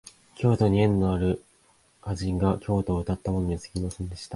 京都に縁のある歌人が京都をうたったものにすぎませんでした